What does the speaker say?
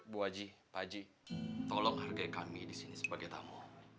bu aji pak aji tolong hargai kami di sini sebagai tamu